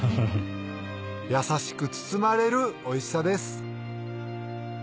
優しく包まれるおいしさです